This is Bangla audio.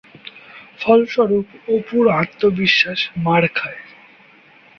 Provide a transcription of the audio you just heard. ফলস্বরূপ অপুর আত্মবিশ্বাস মার খায়।